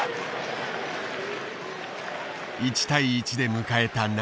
１対１で迎えた